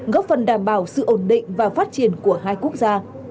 góp phần đảm bảo sự ổn định và phát triển của hai quốc gia